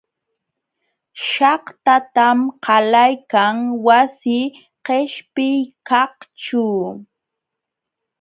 Shaqtatam qalaykan wasi qishpiykaqćhu.